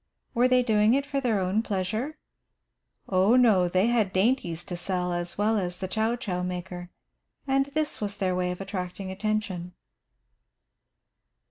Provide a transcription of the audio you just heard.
Were they doing it for their own pleasure? Oh no, they had dainties to sell as well as the chouchou maker, and this was their way of attracting attention.